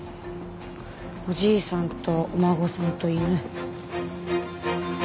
おじいさんとお孫さんと犬。